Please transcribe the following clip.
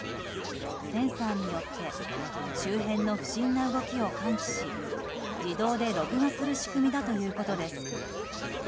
センサーによって周辺の不審な動きを感知し自動で録画する仕組みだということです。